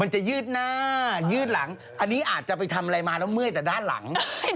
จะยืดหน้ายืดหลังอันนี้อาจจะไปทำอะไรมาแล้วเมื่อยแต่ด้านหลัง